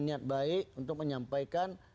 niat baik untuk menyampaikan